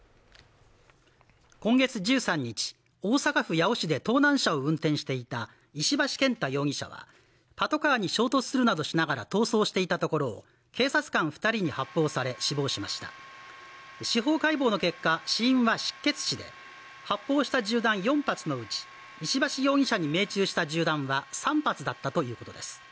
今月１３日大阪府八尾市で盗難車を運転していた石橋健太容疑者はパトカーに衝突するなどしながら逃走していたところを警察官二人に発砲され死亡しました司法解剖の結果死因は失血死で発砲した銃弾４発のうち石橋容疑者に命中した銃弾は３発だったということです